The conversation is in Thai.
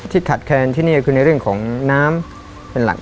ขาดแคลนที่นี่คือในเรื่องของน้ำเป็นหลัก